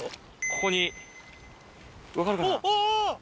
ここに分かるかな？